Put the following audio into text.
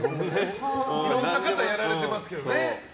いろんな方がやられてますけどね。